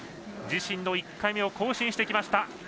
自身の１回目を更新しました。